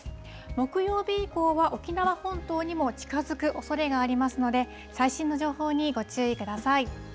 木曜日以降は沖縄本島にも近づくおそれもありますので、最新の情報にご注意ください。